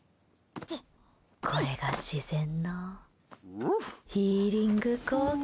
これが自然のヒーリング効果。